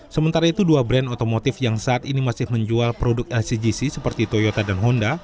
sementara itu dua brand otomotif yang saat ini masih menjual produk lcgc seperti toyota dan honda